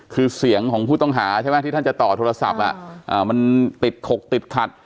คือเสียงของผู้ต้องหาใช่ไหมที่ท่านจะต่อโทรศัพท์มันติดขกติดขัด